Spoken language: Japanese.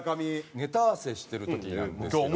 ネタ合わせしてる時なんですけど。